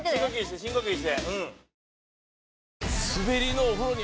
深呼吸して。